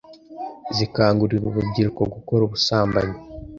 zikangurira urubyiruko gukora ubusambanyi